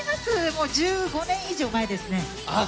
もう１５年以上前ですね。